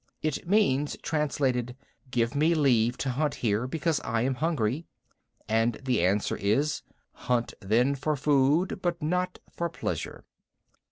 It means, translated, "Give me leave to hunt here because I am hungry." And the answer is, "Hunt then for food, but not for pleasure."